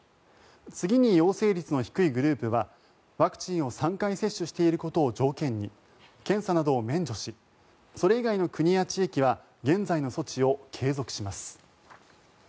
次に陽性率の低いグループはワクチンを３回接種していることを条件に検査などを免除しそれ以外の国や地域は現在の措置を継続します。